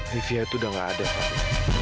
livi itu udah gak ada fadil